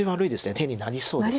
手になりそうです。